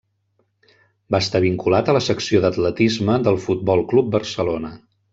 Va estar vinculat a la secció d'atletisme del Futbol Club Barcelona.